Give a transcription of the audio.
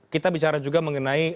kita bicara juga mengenai